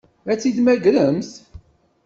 Ad tt-id-temmagremt?